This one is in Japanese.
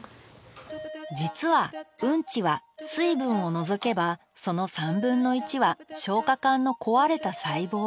実はうんちは水分を除けばその３分の１は消化管の壊れた細胞。